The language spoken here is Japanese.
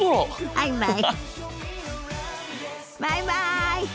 バイバイ！